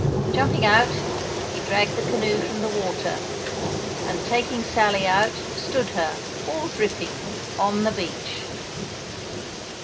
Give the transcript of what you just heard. Jumping out, he dragged the canoe from the water, and, taking Sally out, stood her, all dripping, on the beach.